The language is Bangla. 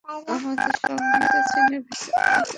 আমাদের সংহতি ছিন্নভিন্ন করছে।